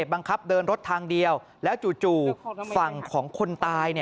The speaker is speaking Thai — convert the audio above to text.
บังคับเดินรถทางเดียวแล้วจู่ฝั่งของคนตาย